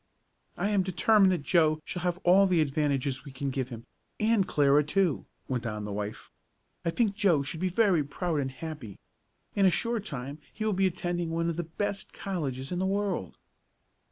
"I am determined that Joe shall have all the advantages we can give him and Clara, too," went on the wife. "I think Joe should be very proud and happy. In a short time he will be attending one of the best colleges in the world."